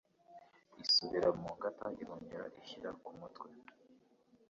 isubira mu ngata irongera ishyira ku mutwe